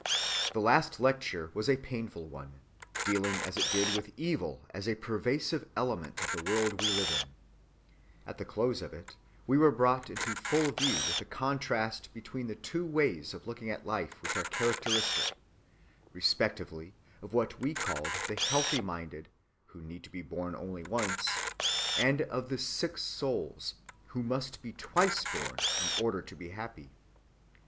The last lecture was a painful one, dealing as it did with evil as a pervasive element of the world we live in. At the close of it we were brought into full view of the contrast between the two ways of looking at life which are characteristic respectively of what we called the healthy‐ minded, who need to be born only once, and of the sick souls, who must be twice‐born in order to be happy.